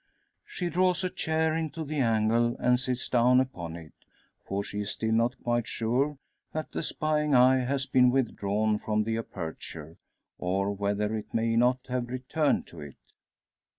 She draws a chair into the angle, and sits down upon it. For she is still not quite sure that the spying eye has been withdrawn from the aperture, or whether it may not have returned to it.